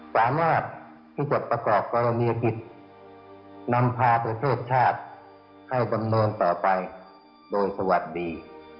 สามารถที่จะประกอบกรณีกิจนำพาประเทศชาติให้ดำเนินต่อไปโดยสวัสดี